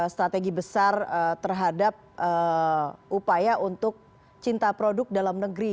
strategi besar terhadap upaya untuk cinta produk dalam negeri